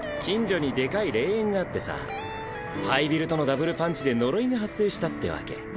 近所にでかい霊園があってさ廃ビルとのダブルパンチで呪いが発生したってわけ。